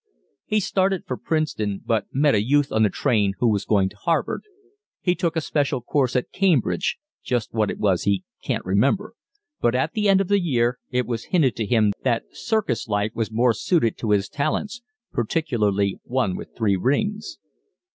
He started for Princeton, but met a youth on the train who was going to Harvard. He took a special course at Cambridge just what it was he can't remember but at the end of the year it was hinted to him that circus life was more suited to his talents, particularly one with three rings.